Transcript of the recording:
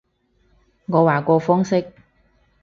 我話個方式